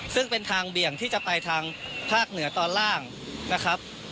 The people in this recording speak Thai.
ซึ่งเป็นทางเบี่ยงที่จะไปทางภาคเหนือตอนล่างนะครับ